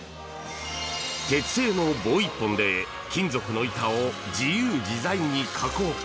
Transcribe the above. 鉄製の棒１本で金属の板を自由自在に加工。